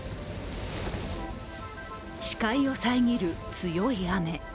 視界を遮る強い雨。